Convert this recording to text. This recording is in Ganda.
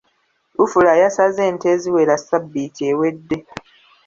Lufula yasaze ente eziwera ssabbiiti ewedde.